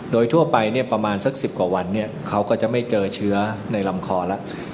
โดยทั่วไปเนี่ยประมาณสัก๑๐กว่าวันเขาก็จะไม่เจอเชื้อในลำคอแล้ว